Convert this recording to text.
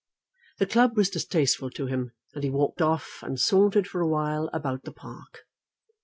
The club was distasteful to him, and he walked off and sauntered for a while about the park.